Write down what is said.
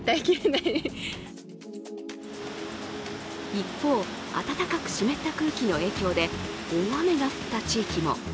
一方、暖かく湿った空気の影響で大雨の降った地域も。